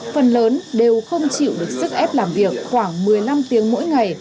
phần lớn đều không chịu được sức ép làm việc khoảng một mươi năm tiếng mỗi ngày